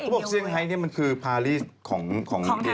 เขาบอกว่าเชี่ยงไฮนี่มันคือพารีของทางเอเชีย